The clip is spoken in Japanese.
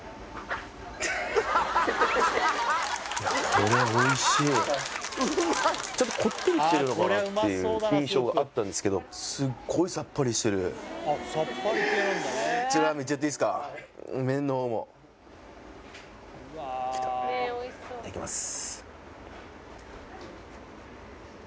これおいしいちょっとこってりしてるのかなっていう印象があったんですけどすっごいさっぱりしてるじゃあラーメンいっちゃっていいっすか麺の方もきたいきます